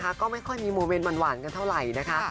ก็ไม่ค่อยมีโมเมนต์หวานกันเท่าไหร่นะคะ